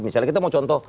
misalnya kita mau contoh